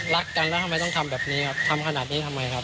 รักกันแล้วทำไมต้องทำแบบนี้ครับทำขนาดนี้ทำไมครับ